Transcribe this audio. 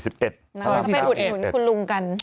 ซอย๔๑คุณลุงกัน